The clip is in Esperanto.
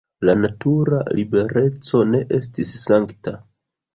La natura libereco ne estis sankta.